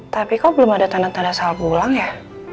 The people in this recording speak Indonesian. tapi kok belum ada tanda tanda salpulang ya